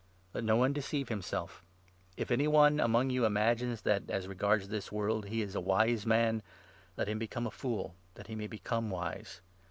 Let no one deceive himself. If any one among you imagines 18 that, as regards this world, he is a wise man, let him become a ' fool,' that he may become wise.